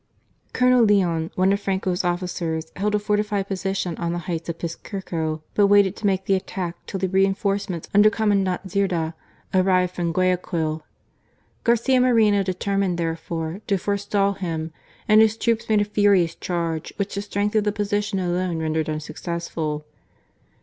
Colonel Leon, one of Franco's ofiicers, held a fortified position on the heights of Piscurco, but waited to make the attack till the reinforcements under Commandant Zerda arrived from Guayaquil. Garcia Moreno determined, there fore, to forestall him ; and his troops made a furious charge, which the strength of the position alone rendered unsuccessful.